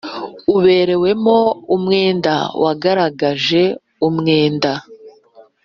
Uberewemo umwenda wagaragaje umwenda